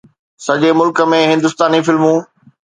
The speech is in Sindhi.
سڄي ملڪ ۾ هندستاني فلمون